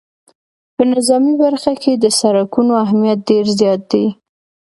په نظامي برخه کې د سرکونو اهمیت ډېر زیات دی